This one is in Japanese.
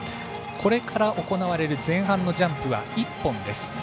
これから行われる前半のジャンプは１本です。